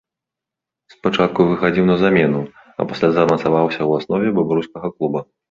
Спачатку выхадзіў на замену, а пасля замацаваўся ў аснове бабруйскага клуба.